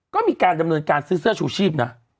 ก็มีการดำเนินการซื้อเสื้อชูชีพนะ